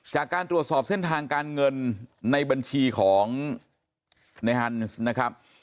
จากการตรวจสอบเส้นทางการเงินในบัญชีของในฮันส์นะครับ